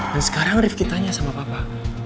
dan sekarang rifki tanya sama papa